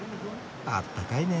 あったかいね。